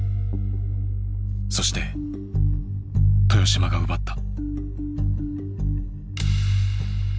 そして豊島が奪った。